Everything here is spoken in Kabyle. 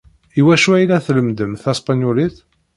I wacu ay la tlemmded taspenyulit?